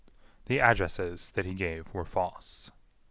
The addresses that he gave were false.